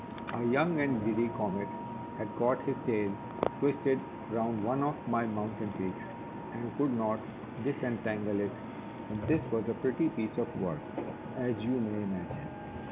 A young and giddy Comet had got his tail twisted round one of my mountain peaks, and could not disentangle it, and this was a pretty piece of work, as you may imagine.